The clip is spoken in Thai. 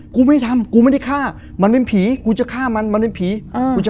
คารุงริเกียร์